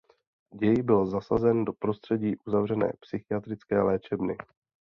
Děj byl zasazen do prostředí uzavřené psychiatrické léčebny.